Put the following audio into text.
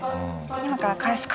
今から返すか。